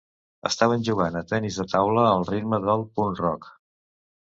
Estaven jugant a tennis de taula al ritme del punk rock.